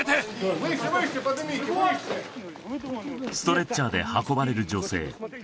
ストレッチャーで運ばれる女性